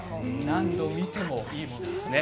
何度見てもいいものですね。